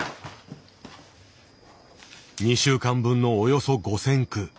２週間分のおよそ５，０００句。